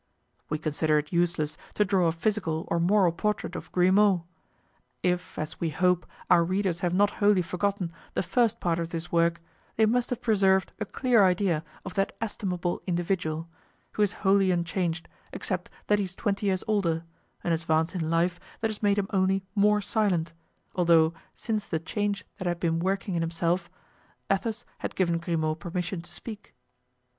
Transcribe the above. We consider it useless to draw a physical or moral portrait of Grimaud; if, as we hope, our readers have not wholly forgotten the first part of this work, they must have preserved a clear idea of that estimable individual, who is wholly unchanged, except that he is twenty years older, an advance in life that has made him only more silent; although, since the change that had been working in himself, Athos had given Grimaud permission to speak.